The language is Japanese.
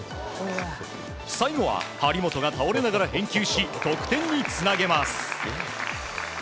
最後は張本が倒れながら返球し得点につなげます。